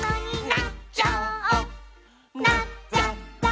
「なっちゃった！」